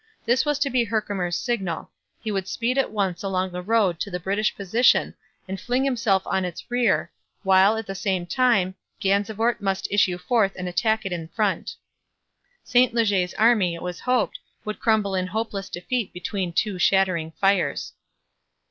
This was to be Herkimer's signal; he would speed at once along the road to the British position and fling himself on its rear, while, at the same time, Gansevoort must issue forth and attack it in front. St Leger's army, it was hoped, would crumble in hopeless defeat between two shattering fires.